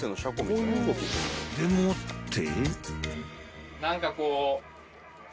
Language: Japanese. ［でもって］